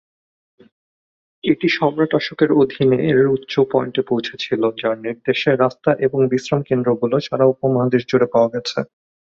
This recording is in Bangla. এটি সম্রাট অশোকের অধীনে এর উচ্চ পয়েন্টে পৌঁছেছিল, যার নির্দেশে রাস্তা এবং বিশ্রাম কেন্দ্রগুলো সারা উপমহাদেশ জুড়ে পাওয়া গেছে।